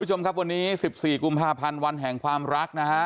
คุณผู้ชมครับวันนี้๑๔กุมภาพันธ์วันแห่งความรักนะฮะ